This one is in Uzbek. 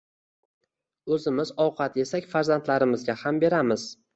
O‘zimiz ovqat yesak, farzandlarimizga ham beramiz.